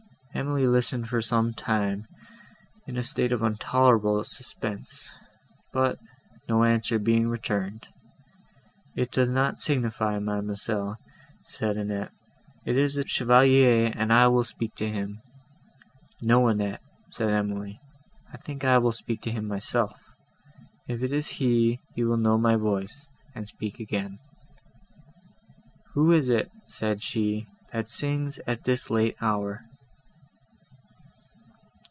Emily listened, for some time, in a state of intolerable suspense; but, no answer being returned, "It does not signify, Mademoiselle," said Annette; "it is the Chevalier, and I will speak to him." "No, Annette," said Emily, "I think I will speak myself; if it is he, he will know my voice, and speak again." "Who is it," said she, "that sings at this late hour?"